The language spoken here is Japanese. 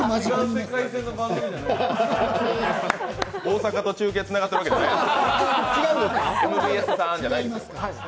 大阪と中継つながってるわけじゃないです。